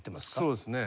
そうですね。